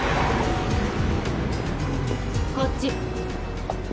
こっち。